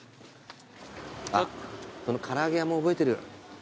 あっこの唐揚げ屋も覚えてる。